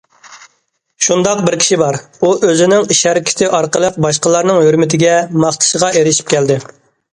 شۇنداق بىر كىشى بار، ئۇ ئۆزىنىڭ ئىش- ھەرىكىتى ئارقىلىق باشقىلارنىڭ ھۆرمىتىگە، ماختىشىغا ئېرىشىپ كەلدى.